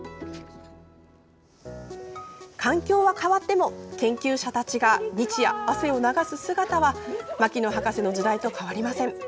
環境は変わっても研究者たちが日夜、汗を流す姿は牧野博士の時代と変わりません。